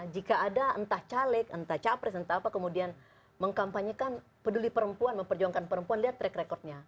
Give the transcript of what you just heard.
jika ada entah caleg entah capres entah apa kemudian mengkampanyekan peduli perempuan memperjuangkan perempuan lihat track recordnya